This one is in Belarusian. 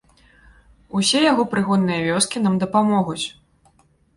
Усе яго прыгонныя вёскі нам дапамогуць!